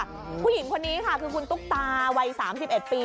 ผู้หญิงคนนี้ค่ะคือคุณตุ๊กตาวัย๓๑ปี